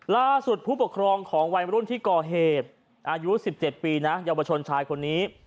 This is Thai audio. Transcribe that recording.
ล่าสุดผู้ปกครองอายุสิบเจ็บปีรอียะวัชยนต์ชายคนนี้